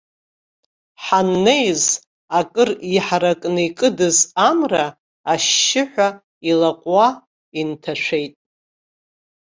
Ҳаннеиз акыр иҳаракны икыдыз амра, ашьшьыҳәа илаҟәуа, инҭашәеит.